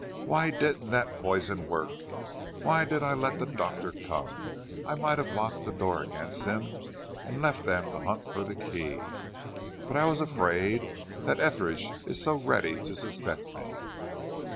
Why didn't that poison work? Why did I let that doctor come? I might have locked the door against him and left them to hunt for the key. But I was afraid; that Etheridge is so ready to suspect me."